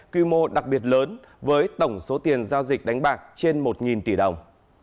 quy mô đặc biệt lớn với tổng số tiền giao dịch đánh bạc trên một tỷ đồng